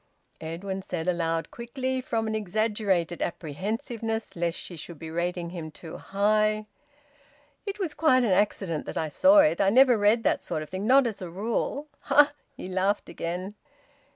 Edwin said aloud quickly, from an exaggerated apprehensiveness lest she should be rating him too high "It was quite an accident that I saw it. I never read that sort of thing not as a rule." He laughed again.